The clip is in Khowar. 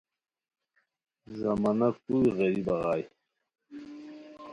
زمانہ کُوئی غیری بغائے کیہ